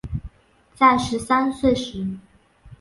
在十三岁时